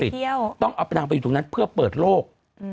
เที่ยวต้องเอาไปนางไปอยู่ตรงนั้นเพื่อเปิดโลก